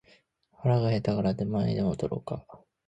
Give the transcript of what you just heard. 腹が減ったから出前でも取ろうか